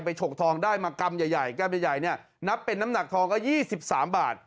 ฉกทองได้มากรัมใหญ่กรัมใหญ่เนี่ยนับเป็นน้ำหนักทองก็๒๓บาท